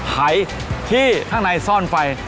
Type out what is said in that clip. หายที่ข้างในซ่อนไฟ